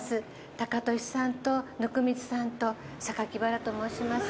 タカトシさんと温水さんと榊原と申します。